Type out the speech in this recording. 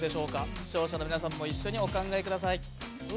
視聴者の皆さんも一緒にお考えください。